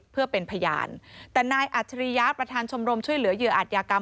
เพื่อเป็นพยานแต่ณอาธิริยาประธานชมรมช่วยเหลือเฝืออาธิกรรม